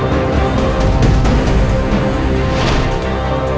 dewa temen aku